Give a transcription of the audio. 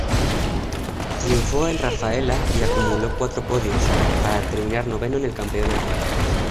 Triunfó en Rafaela y acumuló cuatro podios, para terminar noveno en el campeonato.